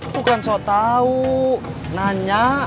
bukan so tau nanya